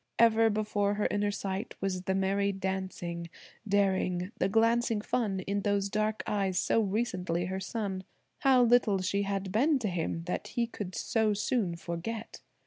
Ever before her inner sight was the merry dancing, daring, the glancing fun in those dark eyes so recently her sun. How little she had been to him that he could so soon forget.